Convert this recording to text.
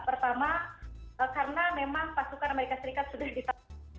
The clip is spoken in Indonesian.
pertama karena memang pasukan amerika serikat sudah ditangkap